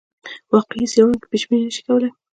واقعي څېړونکی پیشبیني نه شي کولای.